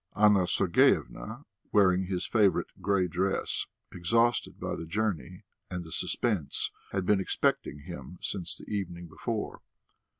Anna Sergeyevna, wearing his favourite grey dress, exhausted by the journey and the suspense, had been expecting him since the evening before.